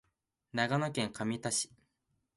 長野県上田市